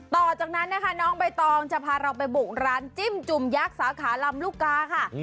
ต่อจากนั้นนะคะน้องใบตองจะพาเราไปบุกร้านจิ้มจุ่มยักษ์สาขาลำลูกกาค่ะ